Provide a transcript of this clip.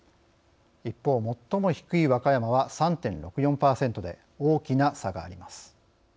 一方最も低い和歌山は３．６４％で大きな差があります。